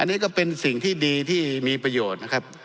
อันนี้ก็เป็นสิ่งที่ดีที่มีประโยชน์นะครับ